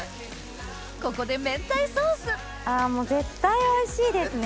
ここで明太ソースあもう絶対おいしいですね。